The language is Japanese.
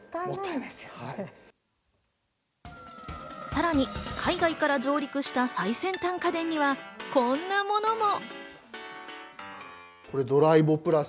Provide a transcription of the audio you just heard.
さらに、海外から上陸した最先端家電にはこんなものも。